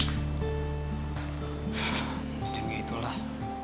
mungkin ya itulah